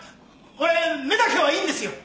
俺目だけはいいんですよ。